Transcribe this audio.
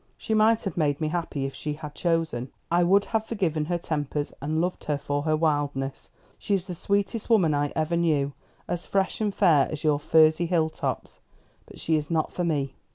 "She might have made me happy if she had chosen. I would have forgiven her tempers, and loved her for her wildness. She is the sweetest woman I ever knew; as fresh and fair as your furzy hill tops. But she is not for me.